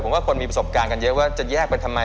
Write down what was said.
ว่าคนมีประสบการณ์กันเยอะว่าจะแยกไปทำไม